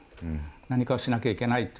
何かをしなきゃいけないと。